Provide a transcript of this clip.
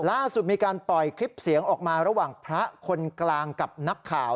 ล่าสุดมีการปล่อยคลิปเสียงออกมาระหว่างพระคนกลางกับนักข่าว